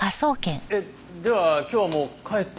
えっでは今日はもう帰っても？